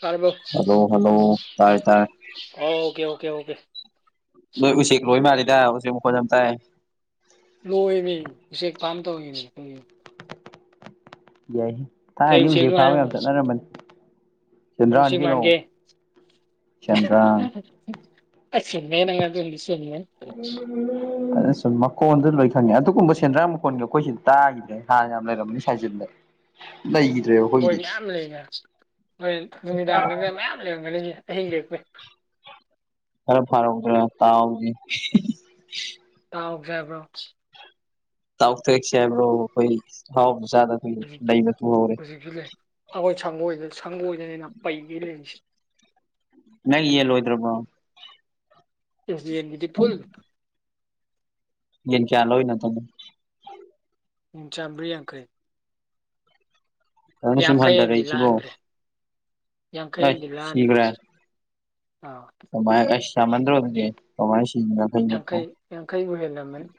ꯇꯥꯔꯕꯣ hello hello ꯇꯥꯔꯦ ꯇꯥꯔꯦ ꯑꯣꯀꯦ ꯑꯣꯀꯦ ꯑꯣꯀꯦ ꯅꯣꯏ ꯎꯆꯦꯛ ꯂꯣꯏ ꯃꯥꯜꯂꯤꯗ ꯎꯆꯦꯛ ꯃꯈꯣꯟ ꯌꯥꯝ ꯇꯥꯏ ꯂꯣꯏꯔꯦ ꯎꯆꯦꯛ ꯐꯥꯝ ꯇꯧꯔꯤꯅꯦ ꯑꯈꯣꯏꯒꯤ ꯌꯥꯏꯍꯦ ꯀꯩ ꯊꯥꯏꯅꯗꯤ ꯎꯆꯦꯛ ꯎꯆꯦꯛꯅꯣ ꯐꯥꯕ ꯌꯥꯝ ꯍꯥꯏꯔꯛꯎꯅꯦ ꯆꯠꯅꯔꯝꯕꯅꯤ ꯀꯩ ꯁꯦꯟꯗ꯭ꯔꯥꯅꯤ ꯎꯆꯦꯛ ꯀꯩꯅꯣ ꯃꯥꯟꯒꯦ ꯁꯦꯟꯗ꯭ꯔꯥꯡ ꯑꯁ ꯆꯨꯝꯃꯦꯍꯦ ꯅꯪ ꯑꯗꯨꯃꯗꯤ ꯆꯨꯝꯃꯦꯍꯦ inaudible [inaudible] ꯑꯗꯨꯁꯨꯨꯝ ꯃꯈꯣꯟꯗꯨ ꯂꯣꯏ ꯈꯪꯉꯦ ꯑꯗꯨꯒꯨꯝꯕ ꯁꯦꯟꯗ꯭ꯔꯥꯡ ꯃꯈꯣꯟꯒ ꯑꯈꯣꯏ ꯁꯤ ꯇꯥꯈꯤꯗ꯭ꯔꯦ ꯍꯥꯟꯅ ꯌꯥꯝ ꯂꯩꯔꯝꯅꯤ ꯁꯥꯏꯖꯤꯟꯗ ꯂꯩꯈꯤꯗ꯭ꯔꯦꯕꫭ ꯈꫭꯏ ꯃꯌꯥꯝ ꯂꯩꯅ ꯍꯣꯏ ꯅꯨꯃꯤꯗꯥꯡꯗꯒ ꯃꯌꯥꯝ ꯂꯩꯔꯝꯒꯅꯤꯁꯦ ꯑꯍꯤꯡ ꯂꯦꯛꯄꯩ ꯈꯔ ꯐꯥꯔꯛꯎꯗꯅ ꯇꯥꯎꯁꯤ ꯇꯥꯎꯁꯦ ꯍꯥꯏꯕ꯭ꯔꯣ ꯇꯥꯎꯊꯦꯛꯁꯦ ꯍꯥꯏꯕ꯭ꯔꯣ ꯑꯈꯣꯏ ꯑꯍꯥꯎꯕ ꯆꯥꯗ ꯀꯨꯏꯔꯦ ꯍꯧꯖꯤꯛ ꯂꯩꯗ ꯃꯇꯨ ꯍꯧꯔꯦ ꯍꯧꯖꯤꯛꯁꯨ ꯂꯩ ꯑꯈꯣꯏ ꯁꯪꯒꯣꯏꯗ ꯁꯪꯒꯣꯏꯗꯅꯤꯅ ꯄꯩꯒꯩ ꯂꯩꯔꯤꯁꯦ ꯅꯪ ꯌꯦꯜ ꯂꯣꯏꯗ꯭ꯔꯕꯣ ꯏꯁ ꯌꯦꯟꯒꯤꯗꯤ ꯐꯨꯜ ꯌꯦꯟ ꯀꯌꯥ ꯂꯧꯔꯤꯅꯣ ꯍꯟꯇꯛꯅ ꯌꯦꯟ ꯆꯥꯝꯔꯤ ꯌꯥꯡꯈꯩ ꯐꯖꯅ ꯁꯨꯝ ꯌꯥꯡꯈꯩ ꯑꯝꯗꯤ ꯍꯟꯊꯔꯛꯏꯁꯤꯕꯣ ꯂꯥꯟꯈ꯭ꯔꯦ ꯌꯥꯡꯈꯩ ꯑꯩ ꯑꯝꯗꯤ ꯂꯥꯟꯈ꯭ꯔꯦ ꯁꯤꯈ꯭ꯔꯦ ꯍꯖꯤꯛ ꯑꯥꯎ ꯀꯃꯥꯏ ꯑꯁ ꯌꯝꯃꯟꯗꯔꯣ ꯑꯗꯨꯗꯤ ꯀꯃꯥꯏ ꯁꯤꯒꯤꯅꫭ ꯌꯥꯡꯈꯩ ꯌꯥꯡꯈꯩꯕꯨ ꯍꯦꯜꯂꯝꯃꯅꯤ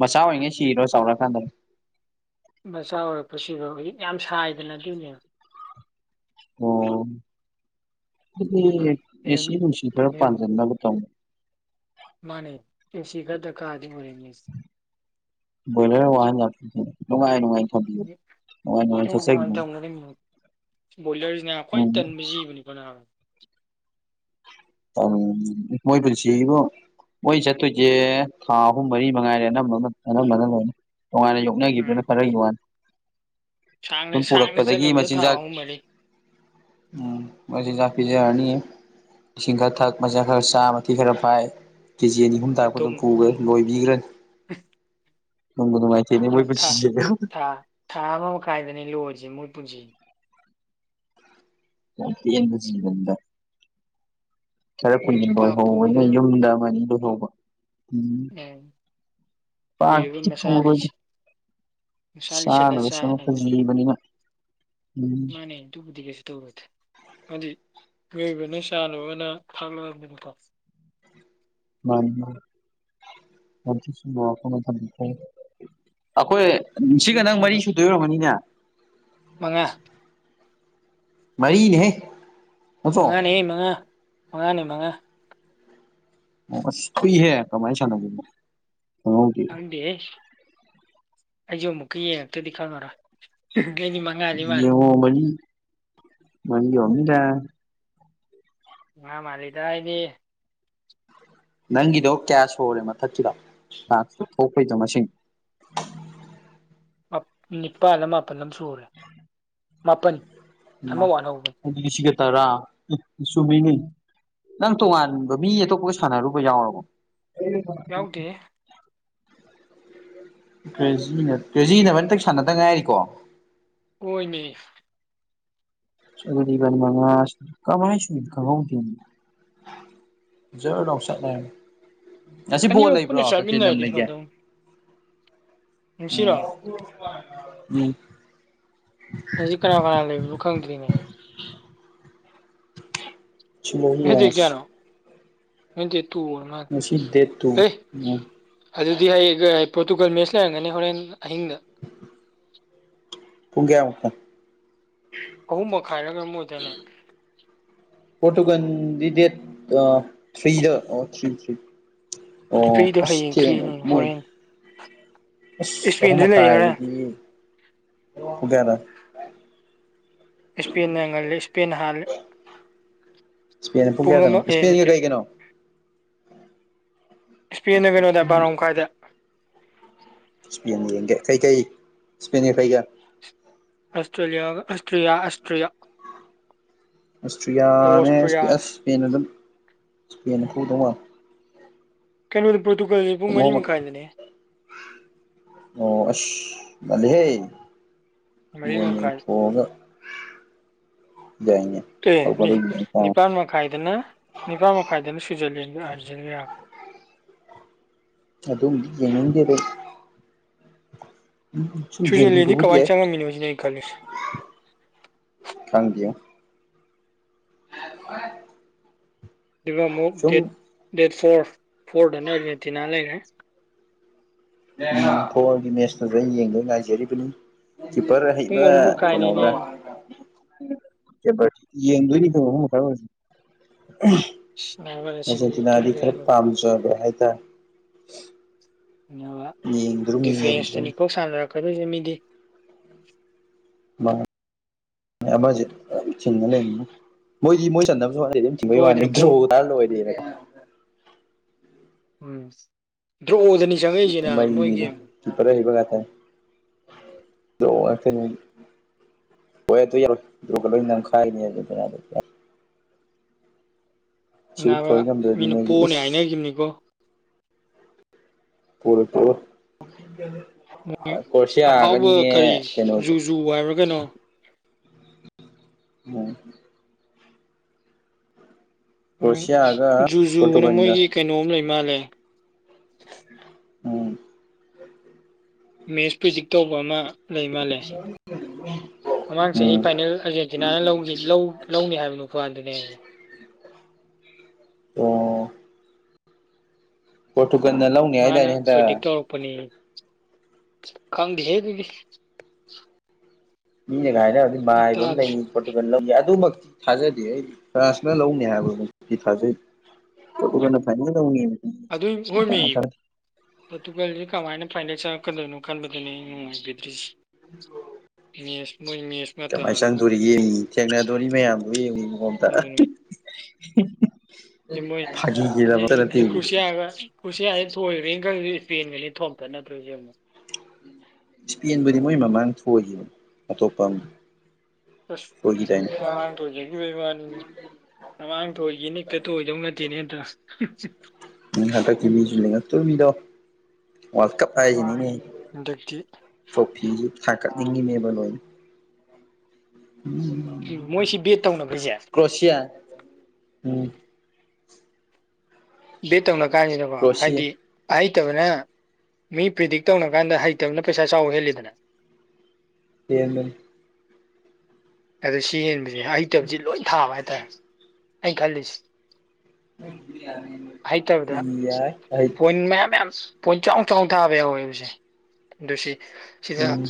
ꯃꯆꯥ ꯑꯣꯏꯉꯩ ꯁꯤꯔꯤꯔꯣ ꯆꯥꯎꯔꯛꯑꯀꯥꯟꯗꯔꯣ ꯃꯆꯥ ꯑꯣꯏꯔꯛꯄꯁꯤꯕ ꯍꯧꯖꯤꯛ ꯌꯥꯝ ꯁꯥꯏꯗꯅ ꯑꯗꯨꯒꯤꯅꯦꯕ ꯑꯣ ꯑꯗꯨꯗꯤ ꯑꯦꯁꯤ ꯅꯨꯡꯁꯤ ꯈꯔ ꯃꯤꯍꯨꯟ ꯄꯥꯟꯁꯤꯟꯅꯕ ꯇꯧꯅꯦ ꯃꯥꯅꯦ ꯑꯦꯁꯤ ꯈꯔ ꯗꯔꯀꯥꯔꯗꯤ ꯑꯣꯏꯔꯤꯅꯤ ꯑꯩꯁꯦ ꯕꯣꯏꯂꯔ ꯋꯥꯍꯟ ꯌꯥꯄꯣꯠꯇꯦ ꯅꯨꯡꯉꯥꯏ ꯅꯨꯡꯉꯥꯏ ꯊꯝꯕꯤꯌꯨ ꯅꯨꯡꯉꯥꯏ ꯅꯨꯡꯉꯥꯏ ꯆꯠꯆꯒꯤꯖꯅꯤ ꯕꯣꯏꯂꯔꯁꯤ ꯅꯥ ꯈ꯭ꯋꯥꯏ ꯇꯟꯕ ꯖꯤꯕꯅꯤꯀꯣ ꯅꯥꯕ ꯇꯪ ꯃꯣꯏ ꯄꯨꯟꯁꯤꯖꯤꯕꯣ ꯃꯣꯏ ꯆꯠꯇꯣꯏꯖꯦ ꯊꯥ ꯑꯍꯨꯝ ꯃꯔꯤ ꯃꯉꯥꯏꯔꯦ ꯑꯅꯝꯕ ꯑꯅꯝꯕꯅ ꯂꯣꯏꯅ ꯅꯨꯉꯥꯏꯔꯦ ꯌꯦꯡꯉꯨ ꯎꯝ ꯅꯣꯏꯒꯤꯗꯨꯅ ꯈꯔꯒꯤ ꯋꯥꯅꯤ ꯁꯥꯡꯅ ꯁꯨꯝ ꯁꯥꯡꯅ ꯄꯨꯔꯛꯄꯗꯒꯤ ꯆꯠꯂꯕꯗ ꯊꯥ ꯃꯆꯤꯟꯖꯥꯛ ꯑꯍꯨꯝ ꯃꯔꯤ ꯎꯝ ꯃꯆꯤꯟꯖꯥꯛ ꯄꯤꯖꯔꯅꯤ ꯏꯁꯤꯡ ꯈꯔ ꯊꯛ ꯃꯆꯤꯟꯖꯥꯛ ꯈꯔ ꯆꯥ ꯃꯊꯤ ꯈꯔ ꯐꯥꯏ ꯀꯦꯖꯤ ꯑꯅꯤ ꯍꯨꯝ ꯇꯥꯔꯛꯄꯗ ꯑꯗꯨꯝ ꯗꯨꯝ ꯄꯨꯒ꯭ꯔꯅꯤ ꯂꯣꯏꯕꯤꯒ꯭ꯔꯅꯤ [inaudible] ꯅꯨꯡꯕꯨ ꯊꯥ ꯅꯨꯡꯉꯥꯏꯇꯦꯅꯦ ꯊꯥ ꯃꯣꯏꯄꯨꯟꯁꯤꯖꯦ ꯊꯥ ꯊꯥ ꯑꯃ ꯃꯈꯥꯏꯗꯅꯦ ꯂꯣꯏꯔꯤꯖꯦ ꯃꯣꯏ ꯄꯨꯟꯁꯤꯖꯦ ꯌꯥꯝ ꯇꯦꯟꯕ ꯖꯤꯕꯅꯤꯗ ꯈꯔ ꯌꯥꯝ ꯀꯨꯏꯅ ꯄꯥ ꯂꯣꯏꯍꯧꯕꯩꯅ ꯄꯨꯒꯗꯕ ꯌꯨꯝꯗ ꯑꯃ ꯑꯅꯤ ꯂꯣꯏꯍꯧꯕ ꯎꯝ ꯀꯨꯏꯔꯕ ꯄꯥꯞꯇꯤ ꯃꯁꯥ ꯄꯨꯔꯣꯏꯗ ꯂꯤꯁꯤ ꯃꯁꯥ ꯂꯤꯁꯜꯂ ꯆꯥꯅꯕ ꯁꯦꯝꯃꯛꯄ ꯆꯥꯅꯕꯅꯤ ꯖꯤꯕꯅꯤꯅ ꯎꯝ ꯃꯥꯅꯦ ꯑꯗꯨꯕꯨꯗꯤ ꯀꯩꯁꯨ ꯇꯧꯔꯣꯏꯗ ꯍꯥꯏꯗꯤ ꯃꯤꯑꯣꯏꯕꯅ ꯆꯥꯅꯕꯅ ꯊꯥꯛꯂꯛꯑꯕꯅꯦꯕꯀꯣ ꯃꯥꯅꯤ ꯃꯥꯅꯤ ꯌꯥꯝ ꯊꯤ ꯆꯨꯝꯕ ꯋꯥꯐꯝ ꯑꯃ ꯊꯝꯕꯤꯈ꯭ꯔꯦ ꯑꯈꯣꯏ ꯁꯤꯒ ꯅꯨꯡꯊꯤꯟ ꯅꯪ ꯊꯤꯟꯕ ꯃꯔꯤ ꯁꯨꯗꯣꯏ ꯑꯣꯏꯔꯝꯒꯅꯤꯅꯦ ꯃꯉꯥ ꯃꯔꯤꯅꯦꯍꯦ ꯅꯠꯇ꯭ꯔꯣ ꯃꯉꯥꯅꯦꯍꯦ ꯃꯉꯥ ꯃꯉꯥꯅꯦ ꯃꯉꯥ ꯑꯣ ꯑꯁ ꯊꯨꯏꯍꯦ ꯀꯃꯥꯏ ꯁꯥꯅꯒꯤꯝꯅꯣ ꯈꯪꯗꯦꯍꯦ ꯑꯩꯖꯨ ꯑꯃꯨꯛꯀ ꯌꯦꯡꯉꯛꯇ꯭ꯔꯗꯤ ꯈꯪꯉꯔꯣꯏ ꯑꯩꯗꯤ ꯃ ꯌꯦꯡꯉꯣ ꯃꯔꯤ ꯃꯔꯤ ꯑꯣꯏꯔꯝꯅꯤꯗ ꯃꯉꯥ ꯃꯥꯜꯂꯤꯗ ꯑꯩꯗꯤ ꯅꯪꯒꯤꯗꯣ ꯀꯌꯥ ꯁꯨꯍꯧꯔꯦ ꯃꯊꯛꯀꯤꯗꯣ ꯇꯥꯛꯁ ꯊꯣꯛꯄꯩꯗꯣ ꯃꯁꯤꯡ ꯃꯥ ꯅꯤꯄꯥꯜꯂ ꯃꯥꯄꯜꯂ ꯑꯝ ꯁꯨꯍꯧꯔꯦ ꯃꯥꯄꯟ ꯃꯥ ꯑꯗꯨꯗꯤ ꯁꯤꯒ ꯇꯔꯥ ꯏ ꯆꯨꯝꯃꯤꯅꯦ ꯅꯪ ꯇꯣꯉꯥꯟꯕ ꯃꯤ ꯑꯇꯣꯞꯄꯒ ꯁꯥꯟꯅꯔꯨꯕ ꯌꯥꯎꯔꯕꯣ ꯌꯥꯎꯗꯦꯍꯦ ꯀ꯭ꯔꯦꯖꯤꯅ ꯀꯦꯖꯤ ꯅꯕꯅꯤꯇꯪ ꯁꯥꯟꯅꯗ ꯉꯥꯏꯔꯤꯀꯣ ꯀꯣꯏꯃꯦ ꯑꯁ ꯑꯗꯨꯗꯤ ꯏꯕꯥꯅꯤ ꯃꯉꯥ ꯁꯨ ꯀꯃꯥꯏ ꯁꯨꯏꯅꯣ ꯈꯪꯍꯧꯗꯦꯅꯦ ꯖꯔ ꯂꯥꯎꯆꯠꯂꯦꯝ ꯉꯁꯤ ꯕꯣꯜ ꯑꯅꯤꯃꯛ ꯂꯩꯕ꯭ꯔꯣ ꯄꯨꯟꯅ ꯀꯀꯩ ꯂꯝ ꯆꯥꯃꯤꯟꯅꯔꯗꯤ ꯂꯩꯒꯦ ꯐꯗꯧꯅꯤ ꯎꯝ ꯉꯁꯤꯔꯣ ꯎꯝ ꯖꯤ ꯀꯅꯥ ꯀꯅꯥ ꯂꯩꯕꯅꯣ ꯈꯪꯗ꯭ꯔꯤꯅꯦ ꯁꯤ ꯂꯣꯏ ꯉꯁꯤ ꯗꯦꯠ ꯌꯦꯡꯉꯁꯤ ꯀꯌꯥꯅꯣ ꯉꯁꯤ ꯗꯦꯠ ꯇꯨ ꯑꯣꯏꯔ ꯃꯥꯜꯂꯦ ꯉꯁꯤ ꯗꯦꯠ ꯇꯨ ꯍꯦ ꯎꯝ ꯑꯗꯨꯗꯤ ꯍꯩꯒ ꯄꯣꯔꯇꯨꯒꯜ ꯃꯦꯠꯁ ꯂꯩꯔꯝꯒꯅꯤ ꯍꯣꯔꯦꯟ ꯑꯍꯤꯡꯗ ꯄꯨꯨꯡ ꯀꯌꯥꯃꯨꯛꯇ ꯑꯍꯨꯝ ꯃꯈꯥꯏꯔ ꯀꯩꯅꯣꯝ ꯑꯣꯏꯗꯥꯏꯅꯦ ꯄꯣꯔꯇꯨꯒꯟꯒꯤ ꯗꯦꯠ ꯑ ꯊ꯭ꯔꯤꯗ ꯑꯣ ꯊ꯭ꯔꯤ ꯊ꯭ꯔꯤ ꯑꯣ ꯊ꯭ꯔꯤꯗꯣ ꯑꯁ ꯍꯌꯦꯡ ꯊꯦꯡꯉ ꯊ꯭ꯔꯤꯅꯤ ꯃꯣꯏ ꯍꯣꯔꯦꯟ ꯑꯁ ꯑꯍꯨꯝ ꯏꯁꯄꯦꯟꯁꯨ ꯂꯩ ꯃꯈꯥꯏ ꯍꯣꯔꯦꯟ ꯗꯨꯗꯤ [unintelligible] ꯁ꯭ꯄꯦꯟ ꯉꯜꯂꯦ ꯁ꯭ꯄꯦꯟ ꯍꯥꯜꯂꯤ ꯁ꯭ꯄꯦꯟꯗ ꯄꯨꯡ ꯀꯌꯥꯗꯅꯣ ꯑꯃ ꯑꯦ ꯁ꯭ꯄꯦꯟꯒ ꯅꯠꯇꯦ ꯀꯩꯒꯅꯣ ꯁ꯭ꯄꯦꯟꯅ ꯀꯩꯅꯣꯗ ꯕꯥꯔꯣꯝꯈꯥꯏꯗ ꯁ꯭ꯄꯦꯟ ꯌꯦꯡꯒꯦ ꯀꯩꯀꯩ ꯁ꯭ꯄꯦꯟꯒ ꯀꯩꯒ ꯑꯁꯇ꯭ꯔꯦꯂꯤꯌꯥꯒ ꯑꯁꯇ꯭ꯔꯤꯌꯥ ꯑꯁꯇ꯭ꯔꯤꯌꯥ ꯑꯁꯇ꯭ꯔꯤꯌꯥꯅꯦ ꯑꯁ ꯑꯣꯁꯇ꯭ꯔꯤꯌꯥꯗ ꯁ꯭ꯄꯦꯟ ꯗꯨꯝ ꯁ꯭ꯄꯦꯟꯅ ꯐꯨꯗꯧ ꯃꯥꯜꯂꯦ ꯀꯩꯅꯣꯗꯣ ꯄ꯭ꯔꯣꯇꯨꯒꯜꯂꯤ [unintelligible] ꯑꯣ ꯑꯁ ꯃꯥꯜꯂꯤꯍꯦ ꯃꯔꯤ ꯕꯣꯟ ꯃꯈꯥꯏ ꯌꯦꯡꯊꯣꯛꯑꯒ ꯌꯥꯏꯅ‌ꯦ ꯀꯩ ꯅꯤ ꯅꯤꯄꯜ ꯃꯈꯥꯏꯗꯅ ꯅꯤꯄꯥꯥꯟ ꯃꯈꯥꯏꯗꯅ ꯁ꯭ꯋꯤꯖꯔꯂꯦꯟꯒ ꯑꯥꯔꯖꯦꯟꯅꯤꯌ ꯑꯗꯨꯝ ꯌꯦꯡꯅꯤꯡꯗꯦꯗ ꯁꯨꯝ ꯁ꯭ꯋꯤꯖꯔꯂꯦꯟꯖꯤ ꯌꯦꯡꯕꯤꯕꯕꯨꯗꯤ ꯀꯃꯥꯏ ꯌꯥꯏ ꯆꯪꯉꯝꯃꯤꯅꯣ ꯁꯤꯅ‌ꯦ ꯑꯩꯩ ꯈꯜꯂꯤꯁꯤ ꯈꯪꯗꯦꯉꯣ [unintelligible] ꯗꯨꯒ ꯑꯃꯨꯛ ꯁꯨꯝ ꯗꯦꯠ ꯗꯦꯠ ꯐꯣꯔ ꯐꯣꯔꯗꯅ‌ ꯔꯦꯇꯤꯅ ꯂꯩꯔꯦ ꯎꯝ ꯐꯣꯟꯒꯤ ꯃꯦꯁꯇꯁꯨ ꯑꯩ ꯌꯦꯡꯒꯦꯅ ꯉꯥꯏꯖꯔꯤꯕꯅꯤ ꯀꯤꯄꯔ ꯄꯨꯡ ꯑꯍꯩꯕ ꯑꯍꯨꯝ ꯃꯈꯥꯏꯅꯤꯅꯦ ꯀꯩꯅꯣꯒ ꯀꯦꯕ꯭ꯔꯠ ꯌꯦꯡꯗꯣꯏꯅꯤ ꯀꯣꯅꯣ ꯑꯃ ꯃꯈꯥ ꯑꯣꯏꯔꯁꯨ ꯑꯁ ꯅꯥꯕ ꯉꯁꯤꯗꯤ ꯑꯩ ꯑꯔꯖꯦꯟꯇꯤꯅꯥꯗꯤ ꯇꯨꯝꯗ ꯈꯔ ꯌꯥꯔꯣꯏ ꯄꯥꯝꯖꯕ ꯍꯥꯏꯇꯥꯔꯦ ꯗꯨꯒ ꯌꯦꯡꯗ꯭ꯔꯨꯝ ꯌꯦꯡꯗ꯭ꯔꯨꯝ ꯗꯤꯐꯦꯟꯁꯇꯅꯤ ꯀꯣꯛ ꯁꯥꯟꯅꯔꯛꯀꯗꯣꯏꯁꯦ ꯃꯤꯗꯤ ꯃꯪ ꯉꯦ ꯑꯃꯖꯦ ꯗꯨꯝ ꯆꯤꯡꯉ ꯂꯩꯉꯣ ꯃꯣꯏꯗꯤ ꯃꯣꯏ ꯆꯟꯅꯕꯁꯨ ꯍꯣꯠꯅꯗꯦ ꯗꯨꯝ ꯆꯤꯡꯕꯩ ꯋꯥꯅꯦ ꯁꯣꯏꯗꯅ ꯄꯣ ꯗ꯭ꯔꯣ ꯇꯥꯔꯥ ꯂꯣꯏꯔꯦꯅ ꯎꯝ ꯗ꯭ꯔꯣꯗꯅꯤ ꯆꯪꯉꯛꯏꯁꯤꯅ ꯃꯩꯅꯤꯅ‌ꯦ ꯃꯣꯏꯒꯤ ꯀꯤꯄꯔ ꯑꯍꯩꯕ ꯉꯥꯛꯇꯅꯤ ꯗ꯭ꯔ‌ꯣ‌ ꯉꯥꯛꯇꯅꯤ [unintelligible] [unintelligible] ꯁꯤꯕꯨ ꯅꯥꯕ ꯊꯣꯏ ꯉꯝꯗ꯭ꯔꯗꯤ ꯃꯤꯅ ꯃꯣꯏꯁꯨ ꯄꯣꯅꯤ ꯏꯁ ꯍꯥꯏꯅꯒꯤꯅꯤꯀꯣ ꯄꯣꯔꯣꯏ ꯄꯣꯔꯣꯏ ꯀ꯭ꯔꯣꯁꯤꯌꯥꯒꯅꯤꯅꯦ ꯀꯩꯅꯩꯖꯨ ꯖꯨ ꯍꯥꯏꯕ꯭ꯔꯥ ꯀꯩꯅꯣ ꯃꯣ ꯍꯣꯔꯦꯟ ꯀ꯭ꯔꯣꯁꯤꯌꯥꯒ ꯖꯨ ꯖꯨꯅ ꯄꯣꯔꯇꯨꯒꯟꯒ ꯃꯣꯏꯒꯤ ꯀꯩꯅꯣꯝ ꯂꯩ ꯃꯥꯜꯂꯦ ꯎꯝ ꯃꯦꯠꯁ ꯄ꯭ꯔꯤꯖꯤꯛ ꯇꯧꯕ ꯑꯃ ꯂꯩ ꯃꯥꯜꯂꯦ ꯃꯃꯥꯡ ꯆꯍꯤ ꯎꯝ ꯐꯥꯏꯅꯦꯜ ꯑꯥꯔꯖꯦꯟꯇꯤꯅꯥꯅ ꯂꯧꯅꯤ ꯂꯧ ꯂꯧꯅꯤ ꯍꯥꯏꯕ ꯅꯨꯄꯥꯗꯨꯅꯦꯌꯦ ꯑꯣ ꯄ꯭ꯔꯣꯇꯨꯒꯜꯅ ꯂꯧꯅꯤ ꯍꯥꯏꯗꯥꯏꯅꯦ ꯍꯟꯗꯛ ꯄꯣꯅꯤ ꯈꯪꯗꯦꯍꯦ ‌ꯗꯨꯗꯤ ꯃꯤꯅꯥꯒ ꯍꯥꯏꯅꯕꯗꯤ ꯑꯩ ꯃꯥꯏꯕ ꯑꯃ ꯇꯥꯗ꯭ꯔꯦ ꯂꯩ ꯄ꯭ꯔꯣꯇꯨꯒꯜ ꯂꯧꯅꯤ ꯑꯗꯨꯃꯛꯇꯤ ꯊꯥꯖꯗꯦ ꯑꯩꯗꯤ ꯐ꯭ꯔꯥꯟꯁꯅ ꯂꯧꯅꯤ ꯍꯥꯏꯕꯕꯨꯛꯇꯤ ꯊꯥꯖꯩ ꯄ꯭ꯔꯣꯇꯨꯒꯜꯅ ꯐꯥꯏꯅꯦꯜ ꯂꯩꯅꯤꯃꯤ ꯑꯗꯨꯏ ꯃꯣꯏ ꯃꯤ ꯄ꯭ꯔꯣꯇꯨꯒꯜꯖꯦ ꯀꯃꯥꯏꯅ ꯐꯥꯏꯅꯦꯜ ꯆꯪꯉꯛꯀꯗꯣꯏꯅꯣ ꯈꯟꯕꯗꯅꯦ ꯑꯩꯅ‌ ꯅꯨꯡꯉꯥꯏꯕꯤꯗ꯭ꯔꯤꯁꯤ ꯃꯦꯁ ꯃꯣꯏ ꯃꯦꯁ ꯀꯃꯥꯏ ꯆꯪꯗꯨꯔꯤꯌꯦ ꯊꯦꯡꯅꯗꯨꯔꯤ ꯃꯌꯥꯝꯗꯨꯒ ꯌꯦꯡꯉꯣ ꯏꯕꯨꯡꯉꯣ‌ ꯑꯝꯇ ꯑꯗꯨꯅ [inaudible] ꯁꯤ ꯃꯣꯏ ꯁꯤ ꯐꯥꯒꯤꯒꯤꯗꯃꯛꯇ ꯅꯠꯇꯦ ꯁꯤ ꯀ꯭ꯔꯨꯁꯤꯌꯥꯒ ꯀ꯭ꯔꯨꯁꯤꯌꯥꯁꯤꯅ ꯊꯣꯏꯒ꯭ꯔꯦꯅ ꯈꯜꯂꯁꯤ ꯏꯁꯄꯦꯟꯒꯅꯦ ꯊꯣꯝꯇꯠꯅꯗꯨꯏꯁꯦ ꯑꯃꯨꯛ ꯁ꯭ꯄꯦꯟꯕꯨꯗꯤ ꯃꯣꯏ ꯃꯃꯥꯡ ꯊꯣꯏꯒꯤꯕꯅ‌ꯦ ꯑꯇꯣꯞꯄ ꯑꯃ ꯑꯁ ꯊꯣꯏꯈꯤꯗꯥꯏꯅꯦ ꯃꯃꯥꯡ ꯊꯣꯏꯖꯅꯤ ꯈꯤꯕ ꯋꯥꯅꯤꯅꯦ ꯃꯃꯥꯡ ꯊꯣꯏꯒꯤꯅ ꯍꯦꯛꯇ ꯊꯣꯏꯗꯧ ꯅꯠꯇꯦꯅꯦ ꯗꯥꯁ ꯍꯟꯗꯛꯀꯤ ꯃꯤꯁꯨ ꯂꯤꯉꯛꯇꯣꯏꯃꯤꯗꯣ ꯋꯥꯔꯜ ꯀꯞ ꯍꯥꯏꯖꯤꯅꯤꯅꯦ ꯍꯟꯗꯛꯇꯤ ꯄꯣꯐꯤꯁꯨ ꯊꯥꯡꯒꯠꯅꯤꯡꯉꯤꯅꯦꯕ ꯂꯣꯏꯅ ꯎꯝ ꯃꯣꯏ ꯁꯤ ꯕꯦꯠ ꯇꯧꯅꯕꯁꯦ ꯀ꯭ꯔꯣꯁꯤꯌꯥ ꯎꯝ ꯕꯦꯠ ꯇꯧꯅ ꯀꯥꯟꯖꯤꯗꯀꯣ ꯀ꯭ꯔꯣꯁꯤꯌꯥ ꯍꯥꯏꯗꯤ ꯑꯍꯩꯇꯕꯅ ꯃꯤ ꯄ꯭ꯔꯤꯗꯤꯛ ꯇꯧꯅ ꯀꯥꯟꯗ ꯍꯩꯇꯕꯅ ꯄꯩꯁꯥ ꯆꯥꯎꯕ ꯍꯦꯜꯂꯤꯗꯅ ꯍꯦꯟꯕꯅꯤ ꯑꯗ ꯁꯤ ꯌꯦꯟꯕꯁꯦ ꯍꯩꯇꯕꯁꯤ ꯂꯣꯏ ꯊꯥꯕ ꯍꯥꯏꯇꯥꯔꯦ ꯑꯩ ꯈꯜꯂꯤꯁ ꯑꯍꯩꯇꯕꯗ ꯌꯥꯏ ꯑꯩ ꯄꯣꯏꯟ ꯃꯌꯥꯝ ꯃꯌꯥꯝ ꯄꯣꯏꯟ ꯆꯥꯎ ꯆꯥꯎ ꯊꯥꯕ ꯌꯥꯎꯋꯦꯕꯁꯦ ꯑꯗꯨ ꯁꯤ ꯁꯤꯗ ꯎꯝ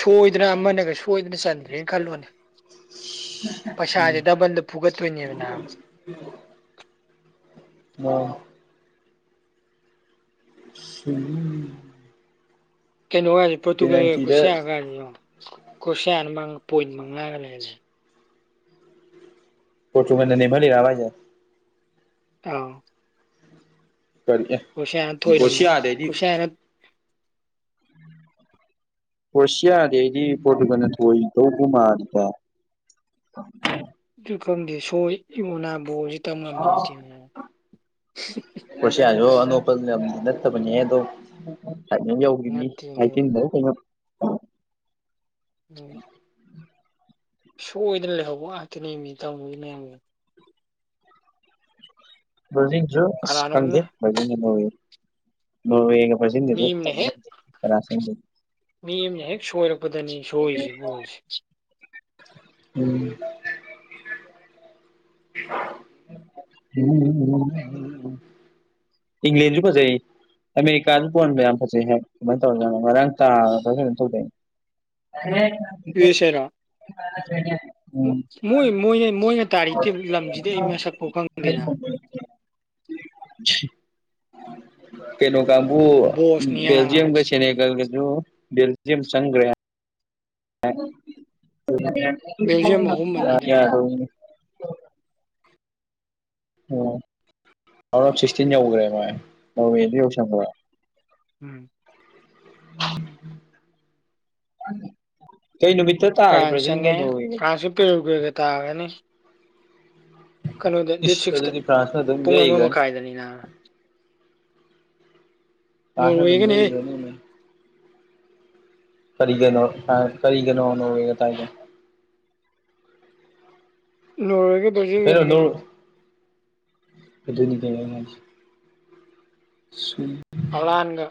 ꯁꯣꯏꯗꯅ ꯑꯃꯅꯒ ꯁꯣꯏꯗꯅ ꯆꯟꯗ꯭ꯔꯦ ꯈꯜꯂꯣꯅꯦ ꯎꯝ ꯄꯩꯁꯥꯁꯦ ꯗꯕꯟꯗ ꯄꯨꯒꯠꯇꯣꯏꯅꯦꯕ ꯅꯥꯕ [unintelligible] ꯑꯣ [inaudible] ꯀꯩꯅꯣꯒꯁꯤ ꯄꯣꯔꯇꯨꯒꯜꯒ ꯄꯦꯅꯥꯜꯇꯤꯗ ꯀ꯭ꯔꯣꯁꯤꯌꯥ ꯒꯥꯀꯥꯁꯦ ꯀꯣꯁꯤꯌꯥꯅ ꯄꯣꯏꯟ ꯃꯉꯥꯒ ꯂꯩꯍꯜꯂꯦ ꯄꯔꯣꯇꯨꯒꯜꯅ ꯅꯦꯝꯍꯜꯂꯤꯔꯖ ꯍꯥꯏꯖꯦ ꯑꯥ ꯀꯔꯤꯀꯦ ꯊꯣꯏꯔꯝꯃꯦ ꯀꯔꯣꯁꯤꯌꯥꯗꯩꯗꯤ ꯀ꯭ꯔꯣꯁꯤꯌꯥꯅ ꯀꯔꯣꯁꯤꯌꯥꯗꯤ ꯑꯩꯗꯤ ꯄ꯭ꯔꯣꯇꯨꯒꯜꯅꯕꯨ ꯊꯣꯏꯗꯧꯕꯨ ꯃꯥꯜꯂꯤꯗ ꯑꯣ ꯑꯗꯨ ꯈꯪꯗꯦ ꯁꯣꯏ ꯏꯕꯣꯅꯥ ꯕꯣꯔꯁꯤ ꯇꯝ ꯉꯝꯕ ꯅꯠꯇꯦ ꯀ꯭ꯔꯣꯁꯤꯌꯥꯖꯨ ꯑꯅꯣꯞꯄ ꯂꯝꯗꯤ ꯅꯠꯇꯕꯅꯤꯍꯦ ꯑꯗꯣ ꯐꯥꯏꯅꯦꯜ ꯌꯧꯒꯤꯕꯅꯤ ꯅꯠꯇꯦꯅꯦ ꯑꯥꯏꯇꯤꯟꯗꯔ ꯀꯩꯅꯣ ꯑꯗꯨ ꯁꯣꯏꯗꯅ ꯂꯩꯍꯧꯕ ꯉꯥꯛꯇꯅꯦꯃꯤ ꯇꯧꯔꯤ ꯃꯌꯥꯝꯖꯦ ꯕ꯭ꯔꯥꯖꯤꯜꯖꯨ ꯑꯁ ꯀꯅꯥꯅꯣꯝꯅ ꯈꯪꯗꯦ ꯕ꯭ꯔꯥꯖꯤꯜꯅ ꯅꯣꯔꯋꯦ ꯅꯣꯔꯋꯦꯒ ꯃꯤ ꯕ꯭ꯔꯥꯖꯤꯜꯒꯖꯨ ꯑꯃꯅ ꯈꯝꯕ ꯍꯦꯛ ꯉꯝꯗꯦ ꯀꯅꯥ ꯆꯪꯗꯣꯏꯅꯣ ꯃꯤ ꯑꯃꯅ ꯍꯦꯛ ꯁꯣꯏꯔꯛꯄꯗꯅꯤ ꯁꯣꯏꯔꯤꯁꯤ ꯒꯣꯜꯁꯦ ꯎꯝ ꯎꯝ ꯏꯪꯪꯂꯦꯟꯖꯨ ꯐꯖꯩ ꯑꯃꯦꯔꯤꯀꯥꯖꯨ ꯕꯣꯜꯀ ꯌꯥꯝ ꯐꯖꯩ ꯍꯥꯏ ꯀꯃꯥꯏꯅ ꯇꯧꯔꯖꯥꯠꯅꯣ ꯉꯔꯥꯡ ꯇꯥꯕꯔ ꯀꯩꯅꯣꯝ ꯇꯧꯗꯥꯏꯅꯦ [unintelligible] ꯃꯣꯏ ꯃꯣꯏ ꯃꯣꯏꯅ ꯃꯣꯏꯅ ꯇꯥꯔꯤ ꯇꯤꯝ ꯂꯝꯁꯤꯗꯤ ꯑꯩ ꯃꯁꯛꯐꯥꯎ ꯈꯪꯗꯦꯅ [inaudible] ꯀꯩꯅꯩ ꯀꯥꯡꯕꯨ ꯕꯣꯁꯅꯤꯌꯥ ꯕꯦꯜꯖꯤꯌꯝꯒ ꯁꯦꯅꯦꯒꯜꯒꯖꯨ ꯕꯦꯜꯖꯤꯌꯝ ꯆꯪꯒ꯭ꯔꯦ ꯕꯦꯜꯖꯤꯌꯝ ꯑꯍꯨꯝ ꯑꯅꯤꯗ [unintelligible] ꯑꯣ ꯔꯥꯎꯟ ꯑꯣꯐ ꯁꯤꯛꯁꯇꯤꯟ ꯌꯧꯈ꯭ꯔꯦ ꯃꯥꯏ ꯅꯣꯔꯋꯦꯖꯨ ꯌꯧꯁꯤꯟꯒꯔꯦ ꯎꯝ ꯀꯩ ꯅꯨꯃꯤꯠꯇ ꯇꯥꯒꯦ ꯐ꯭ꯔꯥꯟꯁ ꯕ꯭ꯔꯥꯖꯤꯜꯒ ꯆꯪꯉꯦ ꯅꯣꯔꯋꯦꯒꯗꯣ ꯐ꯭ꯔꯥꯟꯀꯥ ꯄꯦꯔꯣꯒꯨꯔꯤꯒ ꯇꯥꯔꯒꯅꯤ ꯀꯩꯅꯣꯗ ꯗꯦꯠ ꯏꯁ ꯁꯤꯛꯁꯇ ꯑꯗꯨꯗꯤ ꯐ꯭ꯔꯥꯟꯁꯅ ꯑꯗꯨꯝ ꯄꯨꯡ ꯑꯃ ꯌꯩꯈ꯭ꯔꯅꯤ ꯃꯈꯥꯏꯗꯅꯤꯅꯕ ꯇꯥꯛꯁ ꯑꯗꯨꯝ ꯅꯣꯔꯋꯦꯒꯅꯦꯍꯦ ꯂꯦꯟꯂꯤꯕ꯭ꯔꯣ ꯂꯦꯝꯕ꯭ꯔꯣ ꯀꯔꯤꯒꯅꯣ ꯐ꯭ꯔꯥꯟꯁ ꯀꯔꯤꯒꯅꯣ ꯅꯣꯔꯋꯦꯒ ꯇꯥꯏꯗꯣ ꯅꯣꯔꯋꯦꯒ ꯀꯩꯅꯣ ꯅꯣꯔ ꯑꯗꯨꯅꯤꯗꯅ ꯑꯩ ꯍꯥꯏ ꯁꯨꯝ ꯍꯂꯥꯟꯒ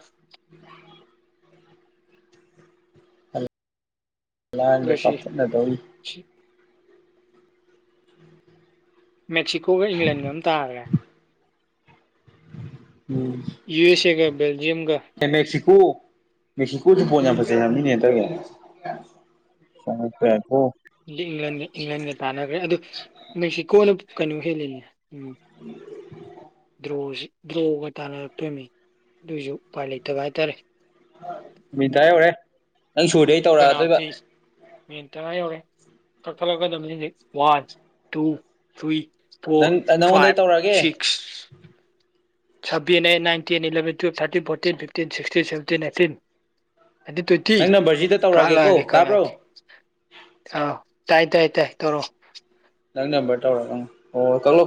ꯍꯂꯥꯟꯒ ꯔꯨꯁꯤ ꯀꯥꯎꯊꯠꯅꯗꯧꯔꯤ ꯃꯦꯛꯁꯤꯀꯣꯒ ꯏꯪꯂꯦꯟꯒ ꯑꯝ ꯇꯥꯔꯦ ꯎꯝ ꯌꯨ ꯑꯦꯁ ꯑꯦꯒ ꯕꯦꯜꯖꯤꯌꯝꯒ ꯑꯦ ꯃꯦꯛꯁꯤꯀꯣ ꯃꯦꯛꯁꯤꯀꯣꯖꯨ ꯕꯣꯜ ꯌꯥꯝ ꯐꯖꯩ ꯍꯥꯏꯕꯅꯤꯅꯦ ꯍꯟꯗꯛꯀꯤ ꯆꯪꯉꯛꯄ ꯌꯥꯏꯄꯣ ꯂꯤꯡꯂꯟꯒ ꯏꯪꯂꯟꯒ ꯇꯥꯟꯅꯈ꯭ꯔꯦ ꯑꯗꯨ ꯃꯦꯛꯁꯤꯀꯣꯅ ꯀꯩꯅꯣ ꯍꯦꯜꯂꯤꯅꯦ ꯎꯝ [unintelligible] ꯗ꯭ꯔꯣꯁꯤ ꯗ꯭ꯔꯣꯒ ꯇꯥꯟꯅꯔꯛꯇꯣꯏꯃꯤ ꯑꯗꯨꯏꯁꯨ ꯎꯄꯥꯏ ꯂꯩꯇꯕ ꯍꯥꯏꯇꯥꯔꯦ ꯃꯤꯇꯥ ꯌꯧꯔꯦ ꯅꯪ ꯁꯨꯔꯗ ꯑꯩ ꯇꯧꯔꯛꯑꯗꯣꯏꯕ ꯃꯦꯟ ꯇꯔꯥ ꯌꯧꯔꯦ ꯀꯛꯊꯠꯂꯒꯗꯕꯅꯤ ꯍꯧꯖꯤꯛ ꯋꯥꯟ ꯇꯨ ꯊ꯭ꯔꯤ ꯅꯪ ꯐꯣꯔ ꯅꯪꯉꯣꯟꯗ ꯑꯩ ꯐꯥꯏꯚ ꯇꯧꯔꯛꯑꯒꯦ six seven eight nine ten eleven twelve thirteen fourteen fifteen sixteen seventeen eighteen nineteen twenty ꯅꯪ ꯅꯝꯕꯔꯁꯤꯗ ꯇꯧꯔꯛꯑꯒꯦꯀꯣ ꯀꯛꯂꯛꯑꯒꯦ ꯇꯥꯕ꯭ꯔꯣ ꯀꯛꯂꯛꯑꯒꯦ ꯑꯥꯎ ꯇꯥꯏ ꯇꯥꯏ ꯇꯥꯏ ꯇꯧꯔꯣ ꯅꯪ ꯅꯝꯕ꯭ꯔꯗ ꯇꯧꯔꯛꯑꯣ ꯎꯝ ꯑꯣ ꯀꯛꯂꯣ